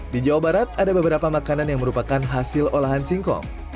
di jawa barat ada beberapa makanan yang merupakan hasil olahan singkong